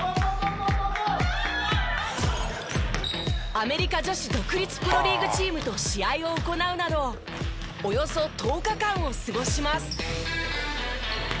アメリカ女子独立プロリーグチームと試合を行うなどおよそ１０日間を過ごします。